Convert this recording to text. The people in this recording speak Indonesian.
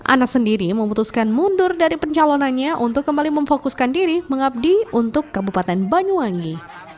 anas sendiri memutuskan mundur dari pencalonannya untuk kembali memfokuskan diri mengabdi untuk kabupaten banyuwangi